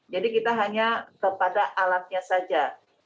jadi kita hanya kepada alatnya saja